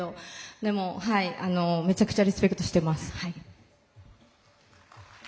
でも、めちゃくちゃリスペクトしてます。